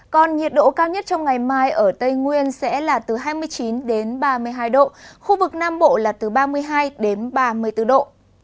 còn nhiệt độ cao nhất trong ngày mai ở tây nguyên sẽ là từ hai mươi chín đến ba mươi hai độ khu vực nam bộ là từ ba mươi hai đến ba mươi bốn độ